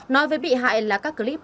nói với bị hại là các clip